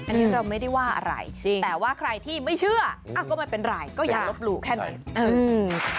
อันนี้เราไม่ได้ว่าอะไรจริงแต่ว่าใครที่ไม่เชื่ออ้าวก็ไม่เป็นไรก็อย่าลบหลู่แค่นี้อืม